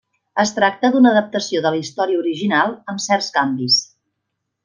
Es tracta d'una adaptació de la història original, amb certs canvis.